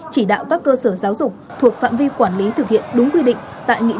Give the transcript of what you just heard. chỉ đạo các cơ sở giáo dục thuộc phạm vi quản lý thực hiện đúng quy định